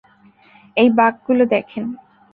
এই বাঁক গুলো দেখেন।